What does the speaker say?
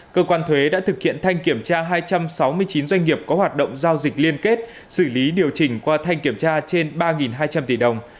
cơ quan thuế đã thực hiện thanh kiểm tra hai trăm sáu mươi chín doanh nghiệp có hoạt động giao dịch liên kết xử lý điều chỉnh qua thanh kiểm tra trên ba hai trăm linh tỷ đồng